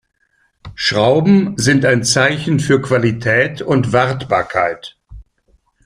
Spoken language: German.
Schrauben sind ein Zeichen für Qualität und Wartbarkeit.